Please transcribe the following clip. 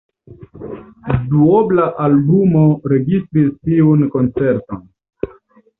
Duobla albumo registris tiun koncerton.